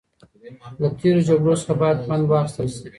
له تېرو جګړو څخه باید پند واخیستل سي.